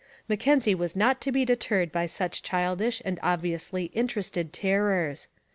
Mackenzie was not to be deterred by such childish and obviously interested terrors.